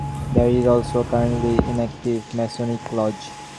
There is also a currently inactive Masonic Lodge.